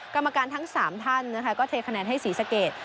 กรรมการทั้ง๓ท่านนะคะก็เทคะแนนให้ศรีสะเกด